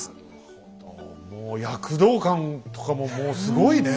もう躍動感とかももうすごいね！